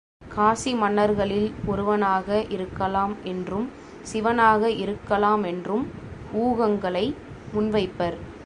காசி மன்னர்களில் ஒருவனாக இருக்கலாம் என்றும் சிவனாக இருக்கலாமென்றும் ஊகங்களை முன்வைப்பர்.